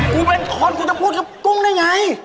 กูเป็นคนกูจะพูดกับกุ้งได้ไง